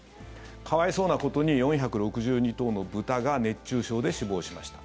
可哀想なことに４６２頭の豚が熱中症で死亡しました。